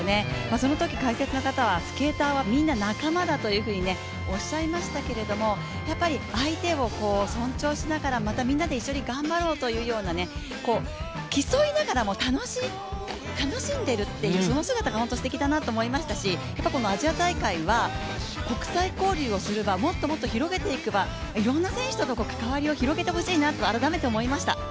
そのとき解説の方はスケーターはみんな仲間だとおっしゃいましたけど相手を尊重しながらまたみんなで一緒に頑張ろうというような、競いながらも楽しんでるという、その姿が本当にすてきだなと思いましたし、アジア大会は国際交流をする場、もっともっと広げていく場、いろんな選手との関わりを広げてほしいなと改めて思いました。